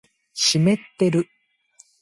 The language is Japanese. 湿ってる